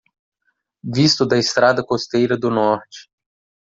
Visto da estrada costeira do norte